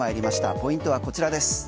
ポイントはこちらです。